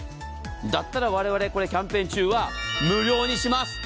だったら、われわれキャンペーン中は無料にします。